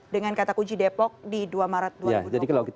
dengan kata kunci depok di dua maret dua ribu dua puluh